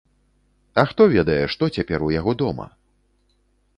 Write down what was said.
А хто ведае, што цяпер у яго дома?